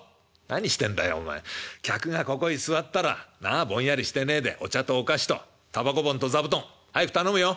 客がここへ座ったらなあぼんやりしてねえでお茶とお菓子とタバコ盆と座布団早く頼むよ。